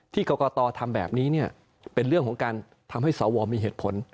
ที่กรกตทำแบบนี้เนี่ยเป็นเรื่องของการทำให้เสาวอมมีเหตุผล